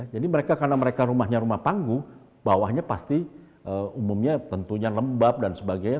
jadi mereka karena rumahnya rumah panggung bawahnya pasti umumnya tentunya lembab dan sebagainya